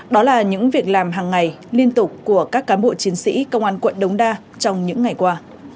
đó là những việc làm hàng ngày liên tục của các cán bộ chiến sĩ công an quận đống đa trong những ngày qua